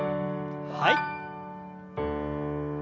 はい。